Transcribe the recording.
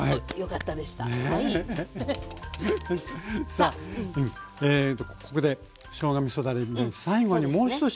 さあここでしょうがみそだれ最後にもう１品